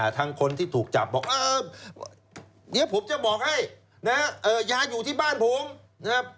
ทางคนที่ถูกจับบอกเดี๋ยวผมจะบอกให้ยาอยู่ที่บ้านผม